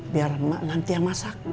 biar nanti mak yang masak